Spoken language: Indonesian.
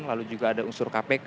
lalu juga ada unsur kpk